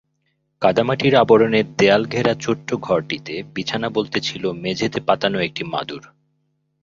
কাদামাটির আবরণে দেয়ালঘেরা ছোট্ট ঘরটিতে বিছানা বলতে ছিল মেঝেতে পাতানো একটি মাদুর।